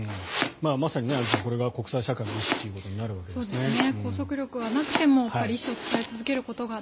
まさにアンジュさんこれが国際社会の意思ということになるわけですね。